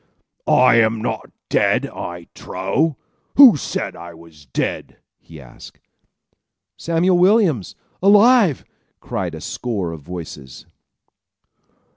"I am not dead, I trow! Who said I was dead?" he asked. "Samuel Williams! Alive!" cried a score of voices.